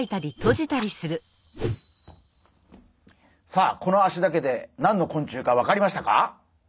さあこの脚だけで何の昆虫かわかりましたか？